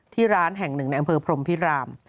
ร้านแห่งหนึ่งในอำเภอพรมพิราม